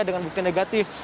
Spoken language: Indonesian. dengan bukti negatif